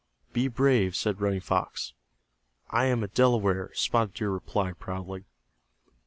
"Be brave," said Running Fox. "I am a Delaware," Spotted Deer replied, proudly.